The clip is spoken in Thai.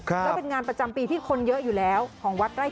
แล้วเป็นงานประจำปีที่คนเยอะอยู่แล้วของวัดไร่